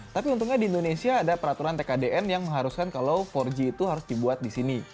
tapi untungnya di indonesia ada peraturan tkdn yang mengharuskan kalau empat g itu harus dibuat di sini